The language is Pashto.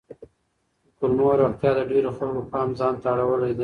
د کولمو روغتیا د ډېرو خلکو پام ځان ته اړولی دی.